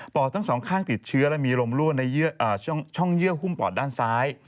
อดทั้งสองข้างติดเชื้อและมีลมรั่วในช่องเยื่อหุ้มปอดด้านซ้าย